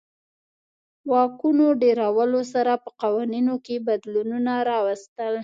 واکونو ډېرولو سره په قوانینو کې بدلونونه راوستل.